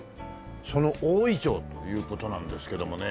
その大銀杏という事なんですけどもね。